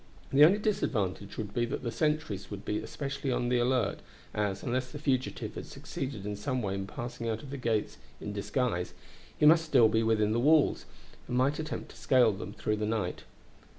The only disadvantage would be that the sentries would be especially on the alert, as, unless the fugitive had succeeded in some way in passing out of the gates in disguise, he must still be within the walls, and might attempt to scale them through the night.